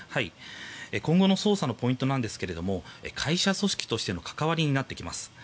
今後の捜査のポイントですが会社組織としての関わりになってきます。